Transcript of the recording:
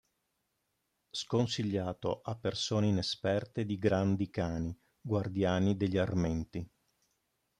Sconsigliato a persone inesperte di grandi cani guardiani degli armenti.